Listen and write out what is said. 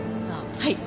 はい。